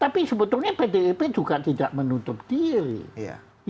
tapi sebetulnya pdip juga tidak menutup diri